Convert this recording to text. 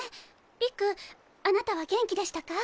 理玖あなたは元気でしたか？